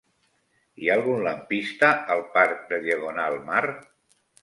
Hi ha algun lampista al parc de Diagonal Mar?